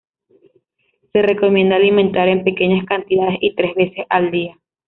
Se recomienda alimentar en pequeñas cantidades y tres veces al día.